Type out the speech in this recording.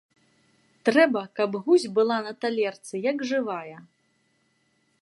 Трэба, каб гусь была на талерцы як жывая.